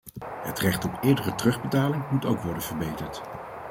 Het recht op eerdere terugbetaling moet ook worden verbeterd.